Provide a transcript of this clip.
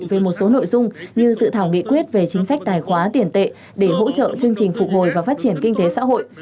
về một số nội dung như dự thảo nghị quyết về chính sách tài khoá tiền tệ để hỗ trợ chương trình phục hồi và phát triển kinh tế xã hội